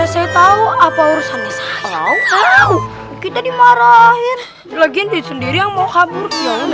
saya tahu apa urusan kita dimarahin lagi sendiri mau kabur